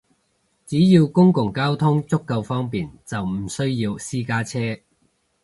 只要公共交通足夠方便，就唔需要私家車